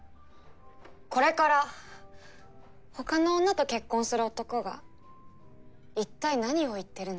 これからほかの女と結婚する男が一体何を言ってるの？